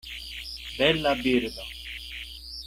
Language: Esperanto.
Bela birdo!